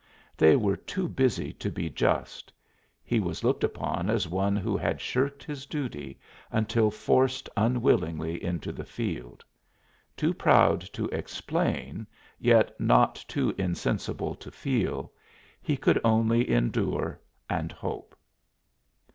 They were too busy to be just; he was looked upon as one who had shirked his duty, until forced unwillingly into the field. Too proud to explain, yet not too insensible to feel, he could only endure and hope.